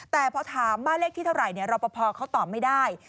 แต่พอถามบ้านเลขที่เท่าไหร่รอปภเขาตอบไม่ได้